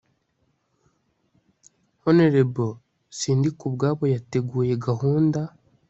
hon sindikubwabo yateguye gahunda